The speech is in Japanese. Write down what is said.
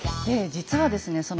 実はですね